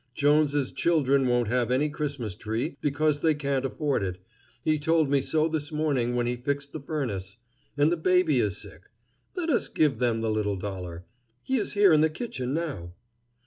Jones's children won't have any Christmas tree, because they can't afford it. He told me so this morning when he fixed the furnace. And the baby is sick. Let us give them the little dollar. He is here in the kitchen now."